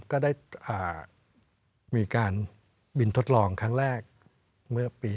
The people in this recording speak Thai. ก็ได้มีการบินทดลองครั้งแรกเมื่อปี๒๕